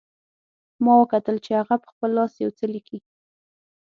ما وکتل چې هغه په خپل لاس یو څه لیکي